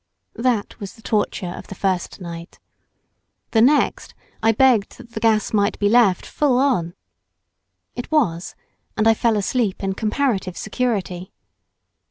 That was the torture of the first night. The next I begged that the gas might be left "full on." It was, and I fell asleep in comparative security.